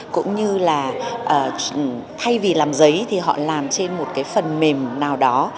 cũng như là thay vì làm giấy thì họ làm trên một cái phần mềm nào đó